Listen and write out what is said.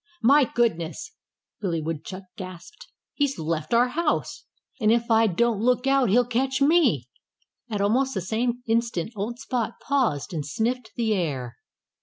"My goodness!" Billy Woodchuck gasped. "He's left our house. And if I don't look out he'll catch me." At almost the same instant old Spot paused and sniffed the air.